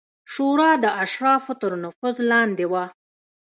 شورا د اشرافو تر نفوذ لاندې وه